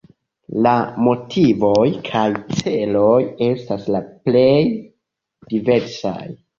La motivoj kaj celoj estas la plej diversaj.